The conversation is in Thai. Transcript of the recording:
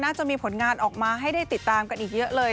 จะมีผลงานออกมาให้ได้ติดตามกันอีกเยอะเลย